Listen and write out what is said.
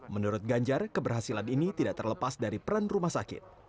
menurut ganjar keberhasilan ini tidak terlepas dari peran rumah sakit